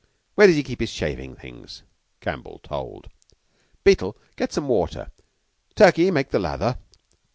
Where does he keep his shaving things? [Campbell told.] Beetle, get some water. Turkey, make the lather.